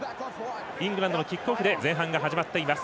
イングランドのキックオフで前半が始まっています。